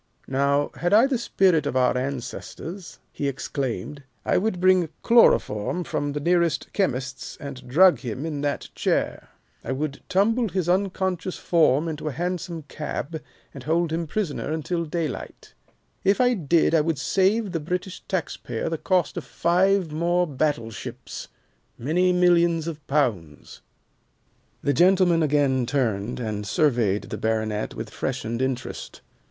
Now, had I the spirit of our ancestors," he exclaimed, "I would bring chloroform from the nearest chemist's and drug him in that chair. I would tumble his unconscious form into a hansom cab, and hold him prisoner until daylight. If I did, I would save the British taxpayer the cost of five more battleships, many millions of pounds." [Illustration: 04 I would tumble his unconscious form into a hansom cab] The gentlemen again turned, and surveyed the baronet with freshened interest.